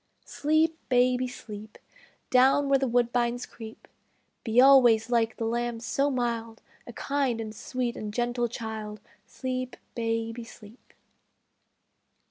Sleep, baby, sleep, Down where the woodbines creep; Be always like the lamb so mild, A kind and sweet and gentle child, Sleep, baby, sleep!